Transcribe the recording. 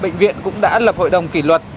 bệnh viện cũng đã lập hội đồng kỷ luật